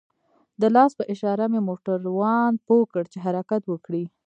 د لاس په اشاره مې موټروان پوه كړ چې حركت وكړي.